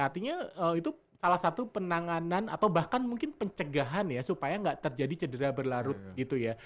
artinya itu salah satu penanganan atau bahkan mungkin pencegahan ya supaya nggak terjadi cedera berlarut gitu ya